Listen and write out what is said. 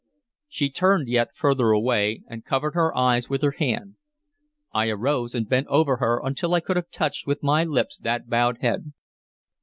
She turned yet further away, and covered her eyes with her hand. I arose, and bent over her until I could have touched with my lips that bowed head.